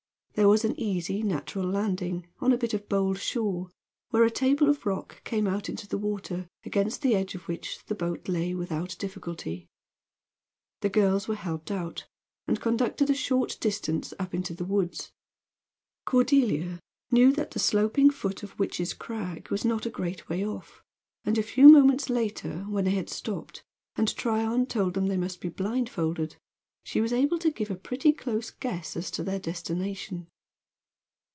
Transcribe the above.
There was an easy, natural landing, on a bit of bold shore, where a table of rock came out into the water, against the edge of which the boat lay without difficulty. The girls were here helped out, and conducted a short distance up into the woods. Cordelia knew that the sloping foot of Witch's Crag was not a great way off, and a few moments later, when they had stopped, and Tryon told them they must be blindfolded, she was able to give a pretty close guess as to their destination.